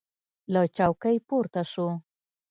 له چوکۍ پورته سو.